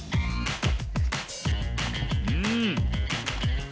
うん。